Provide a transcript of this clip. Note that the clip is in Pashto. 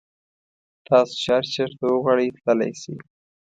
تاسو چې هر چېرته وغواړئ تللی شئ.